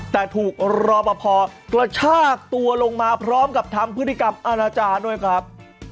แต่ถูกรอปภกระชากตัวลงมาพร้อมกับทำพฤติกรรมอาณาจารย์ด้วยครับ